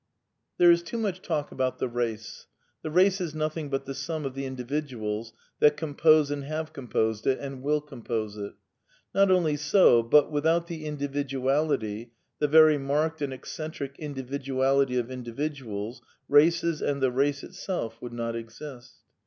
There is too much talk about the Eace. The race is nothing but the sum of the individuals that compose and have composed it, and will compose it. Not only so, but, without the individuality, the very marked and eccentric individuality of individuals, races and the Race itself would not exist.